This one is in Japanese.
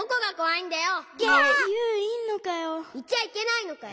いちゃいけないのかよ。